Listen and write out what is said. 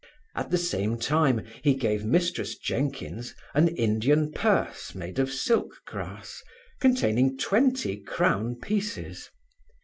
At the same time he gave Mrs Jenkins an Indian purse, made of silk grass, containing twenty crown pieces.